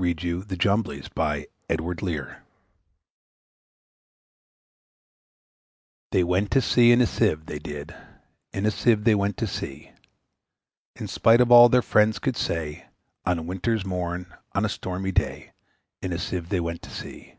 Edward Lear The Jumblies THEY went to sea in a Sieve, they did, In a Sieve they went to sea: In spite of all their friends could say, On a winter's morn, on a stormy day, In a Sieve they went to sea!